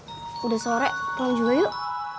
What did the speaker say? eh udah sore pulang juga yuk